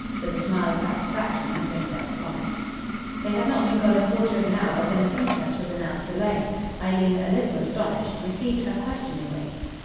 With a smile of satisfaction the Princess promised. They had not been gone a quarter of an hour when the Princess was announced alone. Eileen, a little astonished, received her questioningly.